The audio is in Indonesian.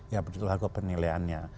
yang berjualan ke penilaiannya